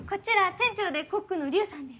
店長でコックのリュウさんです。